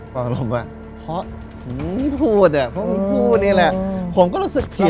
พอดังขึ้นมาเพราะผมพูดอ่ะผมพูดนี่แหละผมก็รู้สึกผิด